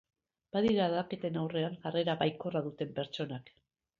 Badira aldaketen aurrean jarrera baikorra duten pertsonak.